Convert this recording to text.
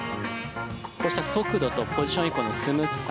こうした速度とポジション移行のスムーズさ